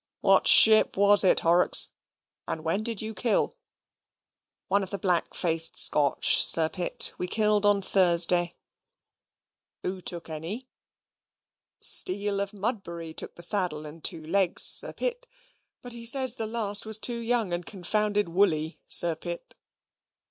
What SHIP was it, Horrocks, and when did you kill?" "One of the black faced Scotch, Sir Pitt: we killed on Thursday." "Who took any?" "Steel, of Mudbury, took the saddle and two legs, Sir Pitt; but he says the last was too young and confounded woolly, Sir Pitt."